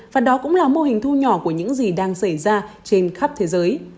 và đó cũng là mô hình thu nhỏ của những gì đang xảy ra trên khắp thế giới